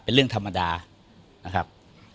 เป็นเรื่องธรรมดานะครับ